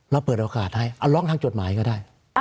เราเปิดโอกาสให้ร้องทางจดหมายก็ได้